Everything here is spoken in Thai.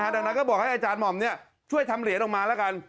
ดังนั้นก็บอกให้อาจารย์หม่อมช่วยทำเหรียญออกมาแล้วกัน